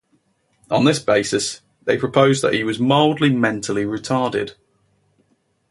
On this basis they proposed that he was "mildly mentally retarded".